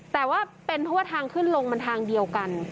แต่ว่าเป็นเพราะว่าทางขึ้นลงมันทางเดียวกัน